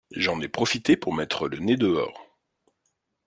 J’en ai profité pour mettre le nez dehors.